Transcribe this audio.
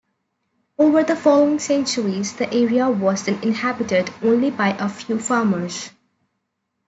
Over the following centuries, the area was then inhabited only by a few farmers.